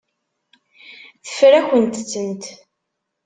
Teffer-akent-tent.